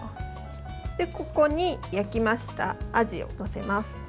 ここに焼きましたアジを載せます。